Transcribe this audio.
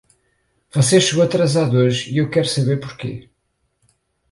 Você chegou atrasado hoje e eu quero saber por quê.